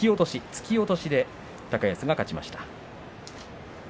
突き落としで高安が勝ちました。